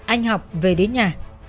anh học về đến nhà